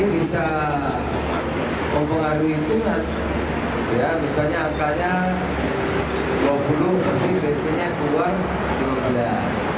bisa mempengaruhi itu kan misalnya akarnya dua puluh tapi bensinnya dua dua belas